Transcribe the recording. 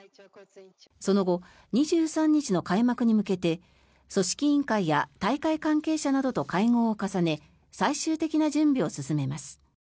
その後、２３日の開幕に向けて組織委員会や大会関係者などと会合を重ね最終的な準備を進めます。